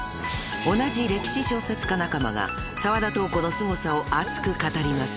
［同じ歴史小説家仲間が澤田瞳子のすごさを熱く語ります］